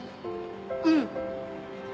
うん。